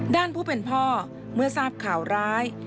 ด้านผู้เป็นพ่อเมื่อทราบข่าวร้าย